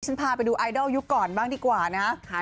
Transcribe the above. พาไปดูไอดอลยุคก่อนบ้างดีกว่านะฮะ